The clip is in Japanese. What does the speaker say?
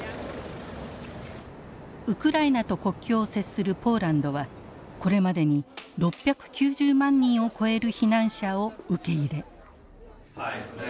ウクライナと国境を接するポーランドはこれまでに６９０万人を超える避難者を受け入れ。